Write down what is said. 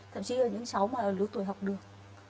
thậm chí là những cháu lứa tuổi học được